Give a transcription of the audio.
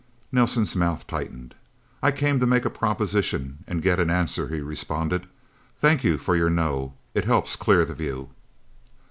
Nelsen's mouth tightened. "I came to make a proposition and get an answer," he responded. "Thank you for your no. It helps clear the view."